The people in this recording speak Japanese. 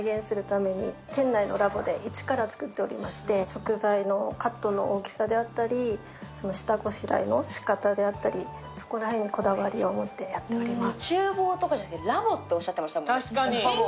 食材のカットの大きさであったり下ごしらえの仕方であったり、そこら辺にこだわりを持ってやっております。